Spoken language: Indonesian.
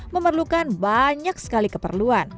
memerlukan banyak sekali keperluan